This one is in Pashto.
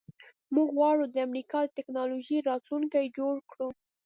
موږ غواړو د امریکا د ټیکنالوژۍ راتلونکی جوړ کړو